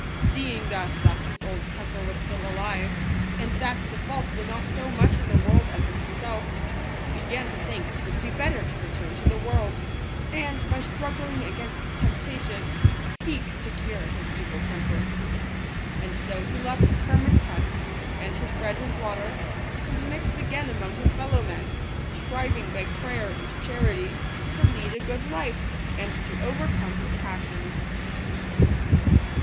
Seeing thus that his old temper was still alive, and that the fault was not so much in the world as in himself, he began to think it would be better to return to the world, and, by struggling against temptation, seek to cure his evil temper. And so he left his hermits hut, and his bread and water, and mixed again among his fellow men, striving, by prayer and charity, to lead a good life, and to overcome his passions.